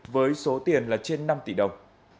với số tiền là trên năm tỷ đồng